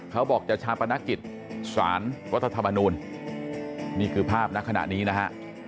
เขาบอกจะชาปนกิจสารรัฐธรรมนูลนี่คือภาพณขณะนี้นะฮะ